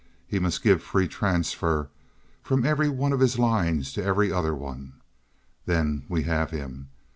He must give free transfers from every one of his lines to every other one. Then we have him.